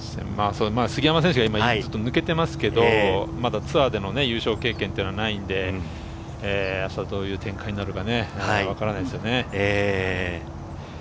杉山選手が抜けていますが、まだツアーでの優勝経験というのはないので、明日、どういう展開になるかわからないですね。